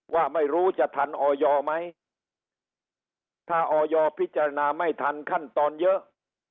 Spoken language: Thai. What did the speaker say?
ว่าไม่รู้จะทันออยไหมถ้าออยพิจารณาไม่ทันขั้นตอนเยอะ